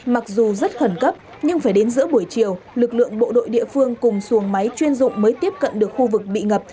mặc dù rất khẩn cấp nhưng phải đến giữa buổi chiều lực lượng bộ đội địa phương cùng xuồng máy chuyên dụng mới tiếp cận được khu vực bị ngập